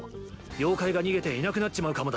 妖怪が逃げていなくなっちまうかもだろ？